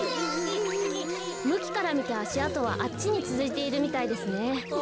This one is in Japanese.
むきからみてあしあとはあっちにつづいているみたいですね。